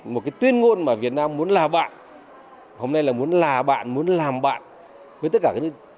một cái tuyên ngôn mà việt nam muốn là bạn hôm nay là muốn là bạn muốn làm bạn với tất cả các nước